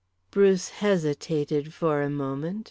Bruce hesitated for a moment.